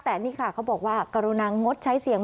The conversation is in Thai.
แต่นี่ค่ะเขาบอกว่ากรุณางดใช้เสียง